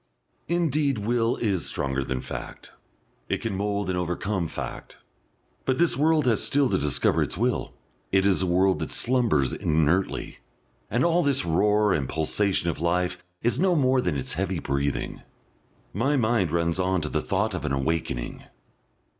Indeed Will is stronger than Fact, it can mould and overcome Fact. But this world has still to discover its will, it is a world that slumbers inertly, and all this roar and pulsation of life is no more than its heavy breathing.... My mind runs on to the thought of an awakening.